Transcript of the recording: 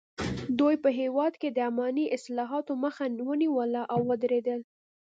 دوی په هېواد کې د اماني اصلاحاتو مخه ونیوله او ودریدل.